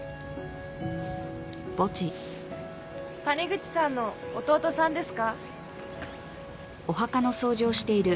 ・谷口さんの弟さんですか？